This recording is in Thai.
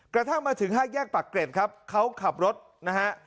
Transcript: กระทั่งมาถึง๕แยกปากเกร็ดครับเขาขับรถนะฮะ